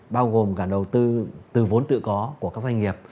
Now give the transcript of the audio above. bao gồm cả đầu tư từ vốn tự có của các doanh nghiệp